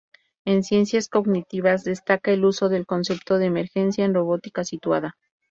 En ciencias cognitivas destaca el uso del concepto de emergencia en robótica situada.